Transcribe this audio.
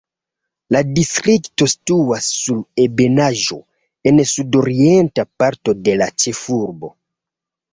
La distrikto situas sur ebenaĵo en sud-orienta parto de la ĉefurbo.